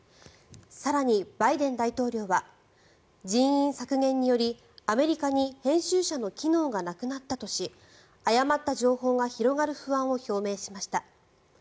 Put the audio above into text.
更に、バイデン大統領は人員削減によりアメリカに編集者の機能がなくなったとし誤った情報が広がる不安を表明しました。